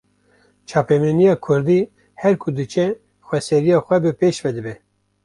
Çapemeniya kurdî, her ku diçe xweseriya xwe bi pêş ve dibe